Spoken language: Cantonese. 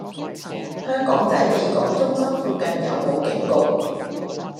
香港仔利港中心附近有無警局？